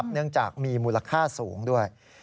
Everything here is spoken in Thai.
เนื่องจากมีมูลค่าสูงด้วย